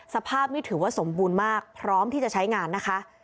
สภาพนี้ถือว่าสมบูรณ์มากพร้อมที่จะใช้งานนะคะ